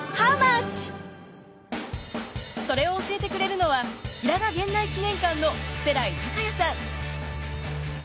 それを教えてくれるのは平賀源内記念館の瀬来孝弥さん。